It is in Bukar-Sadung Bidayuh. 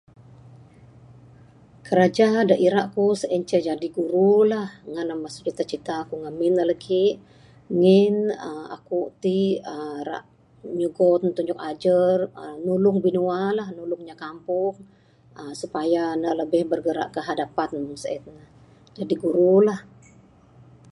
Kiraja da ira aku sien ceh jadi guru la ngan ne masu cita-cita ku ngamin ne lagih. Ngin aaa aku ti aaa ira nyugon tunjuk ajar aaa nulung binua la nulung inya kampung aaa supaya ne lebih bergerak ke hadapan meng sien. Jadi guru la.